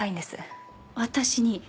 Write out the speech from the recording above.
私に？